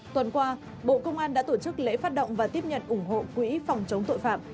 tuần qua bộ công an đã tổ chức lễ phát động và tiếp nhận ủng hộ quỹ phòng chống tội phạm